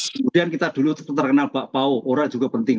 kemudian kita dulu terkenal mbak pau orang yang juga penting